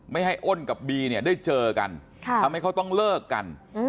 ไม่ให้อ้นกับบีเนี่ยได้เจอกันทำให้เขาต้องเลิกกัน